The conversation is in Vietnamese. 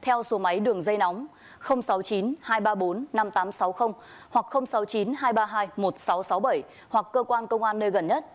theo số máy đường dây nóng sáu mươi chín hai trăm ba mươi bốn năm nghìn tám trăm sáu mươi hoặc sáu mươi chín hai trăm ba mươi hai một nghìn sáu trăm sáu mươi bảy hoặc cơ quan công an nơi gần nhất